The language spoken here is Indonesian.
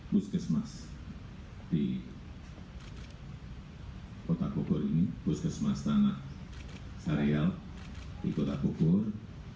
puskesmas di kota bogor ini puskesmas tanah saryal di kota bogor